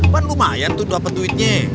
kan lumayan tuh dapet duitnya